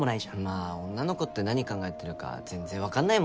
まぁ女の子って何考えてるか全然分かんないもんね。